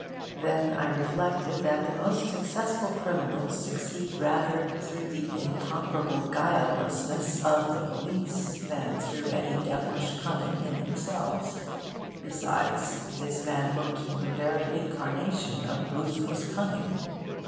Then I reflected that most of the successful criminals succeed rather through the incomparable guilelessness of the police than through any devilish cunning in themselves. Besides, this man looked the very incarnation of ruthless cunning.